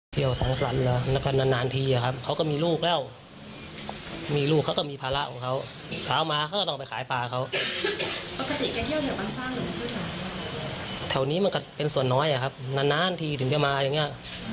แถวนี้มันก็เป็นส่วนน้อยอะครับนานทีถึงจะมาอย่างเงี้ย